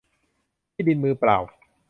ที่ดินมือเปล่า